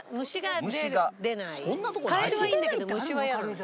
カエルはいいんだけど虫は嫌なの。